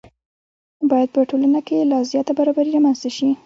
باید په ټولنه کې لا زیاته برابري رامنځته شي.